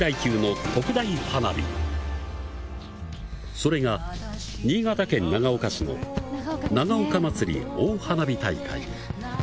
それが新潟県長岡市の長岡まつり大花火大会。